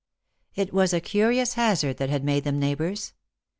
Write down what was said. It was a curious hazard that had made them neighbours.